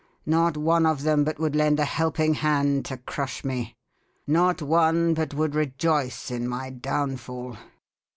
Not one of them but would lend a helping hand to crush me. Not one but would rejoice in my downfall.